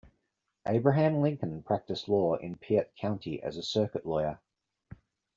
Abraham Lincoln practiced law in Piatt County as a circuit lawyer.